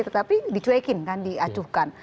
tetapi dicuekin kan diacuhkan